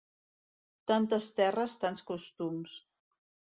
Tantes terres, tants costums.